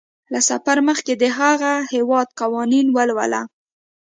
له سفر مخکې د هغه هیواد قوانین ولوله.